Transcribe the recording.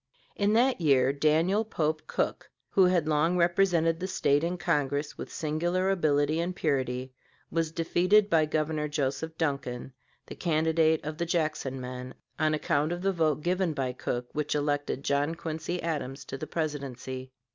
In that year, Daniel Pope Cook, who had long represented the State in Congress with singular ability and purity, was defeated by Governor Joseph Duncan, the candidate of the Jackson men, on account of the vote given by Cook which elected John Quincy Adams to the Presidency.